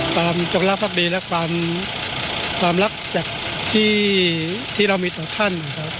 ความจงรับทักดีและความรับจากที่เรามีต่อท่าน